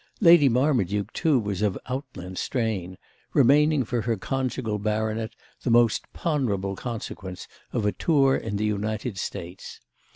Lady Marmaduke too was of outland strain, remaining for her conjugal baronet the most ponderable consequence of a tour in the United States.